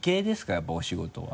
やっぱお仕事は。